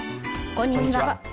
こんにちは。